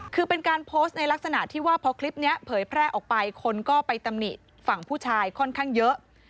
คือเป็นการโพสต์ในลักษณะที่ว่าพอคลิปนี้เผยแพร่ออกไปคนก็ไปตำหนิฝั่งผู้ชายค่อนข้างเยอะ